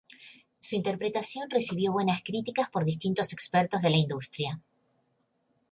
Su interpretación recibió buenas críticas por distintos expertos de la industria.